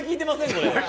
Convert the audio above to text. これ。